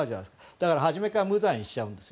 だから初めから無罪にしちゃうんです。